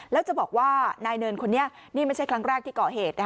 แล้วจะบอกว่านายเนินคนนี้นี่ไม่ใช่ครั้งแรกที่ก่อเหตุ